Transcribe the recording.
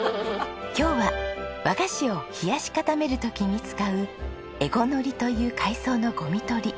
今日は和菓子を冷やし固める時に使うエゴノリという海藻のゴミ取り。